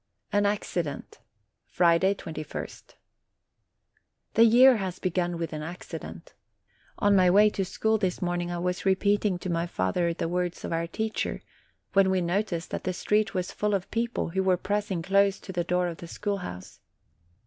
AN ACCIDENT Friday, 2ist. The year has begun with an accident. On my way to school this morning I was repeating to my father 6 OCTOBER the words of our teacher, when we noticed that the street was full of people, who were pressing close to the door of the schoolhouse.